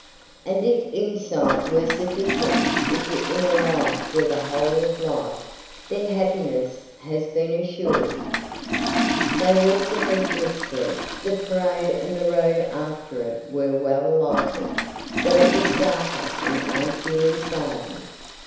And if insight were sufficient, if the inner life were the whole of life, their happiness has been assured. They walked ahead briskly. The parade and the road after it were well lighted, but it was darker in Aunt Juley's garden.